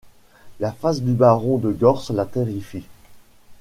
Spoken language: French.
La face du baron de Gortz la terrifie. ..